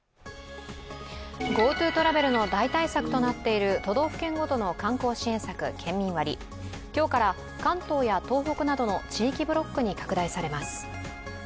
ＧｏＴｏトラベルの代替策となっている都道府県ごとの観光支援策、県民割今日から関東や東北などの地域ブロックに拡大されます。